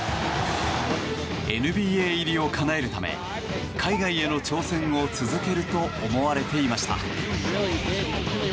ＮＢＡ入りをかなえるため海外への挑戦を続けると思われていました。